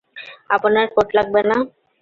আপনার কোট লাগবে না?